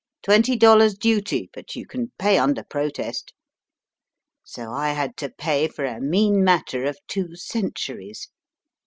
Twenty dollars duty, but you can pay under protest.' So I had to pay for a mean matter of two centuries.